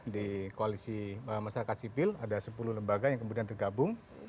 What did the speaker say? di koalisi masyarakat sipil ada sepuluh lembaga yang kemudian tergabung